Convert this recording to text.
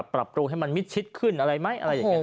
ปรับปรุงให้มันมิดชิดขึ้นอะไรไหมอะไรอย่างนี้